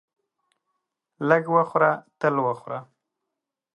لږ وخوره تل وخوره.